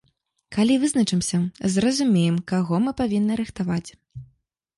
Калі вызначымся, зразумеем, каго мы павінны рыхтаваць.